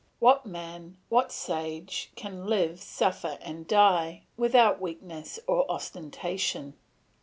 What man, what sage, can live, suffer, and die without weakness or ostentation?